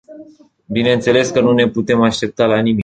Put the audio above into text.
Bineînțeles că nu ne putem aștepta la nimic.